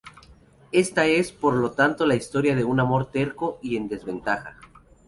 Esta es, por lo tanto, la historia de un amor terco y en desventaja.